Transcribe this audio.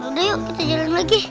udah yuk kita jalan lagi